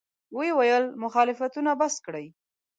ویې ویل: مخالفتونه بس کړئ.